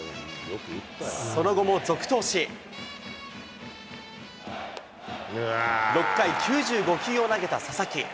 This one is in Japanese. その後も続投し、６回９５球を投げた佐々木。